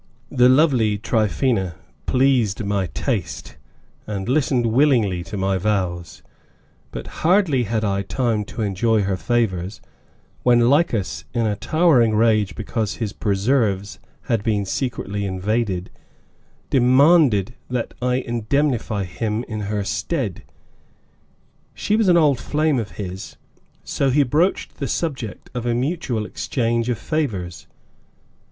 The lovely Tryphaena pleased my taste, and listened willingly to my vows, but hardly had I had time to enjoy her favors when Lycas, in a towering rage because his preserves had been secretly invaded, demanded that I indemnify him in her stead. She was an old flame of his, so he broached the subject of a mutual exchange of favors.